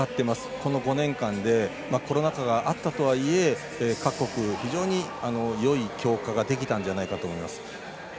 この５年間でコロナ禍があったとはいえ各国、非常によい強化ができたんじゃないかと思います。